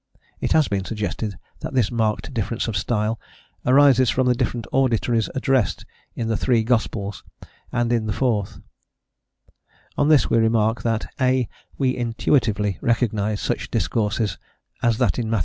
It has been suggested that this marked difference of style arises from the different auditories addressed in the three gospels and in the fourth; on this we remark that (a), we intuitively recognise such discourses as that in Matt.